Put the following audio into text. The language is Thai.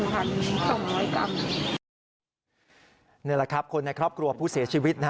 นี่แหละครับคนในครอบครัวผู้เสียชีวิต